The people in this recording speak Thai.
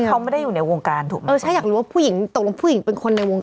พวกเขาไม่ได้อยู่ในวงการถูกไหม